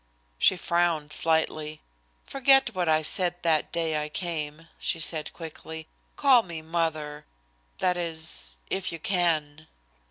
She frowned slightly. "Forget what I said that day I came," she said quickly. "Call me Mother, that is, if you can."